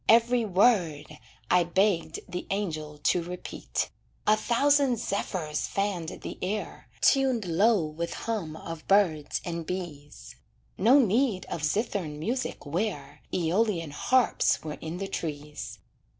Every word I begged the angel to repeat. A thousand zephyrs fanned the air, Tuned low with hum of birds and bees, No need of zithern music where Æolian harps were in the trees.